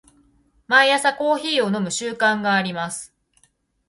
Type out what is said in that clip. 毎朝コーヒーを飲む習慣があります。